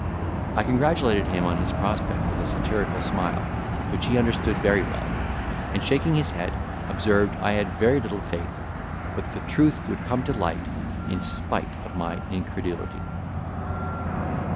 I congratulated him on his prospect with a satirical smile, which he understood very well; and, shaking his head, observed, I had very little faith, but the truth would come to light in spite of my incredulity.